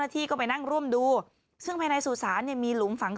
ที่ก็ไปนั่งร่วมดูซึ่งภายในสุสานมีหลุมฝัง